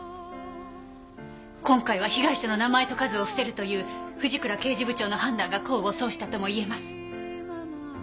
今回は被害者の名前と数を伏せるという藤倉刑事部長の判断が功を奏したとも言えます。